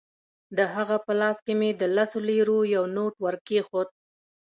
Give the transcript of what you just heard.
د هغه په لاس کې مې د لسو لیرو یو نوټ ورکېښود.